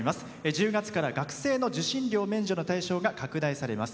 １０月から学生の受信料免除の対象が拡大されます。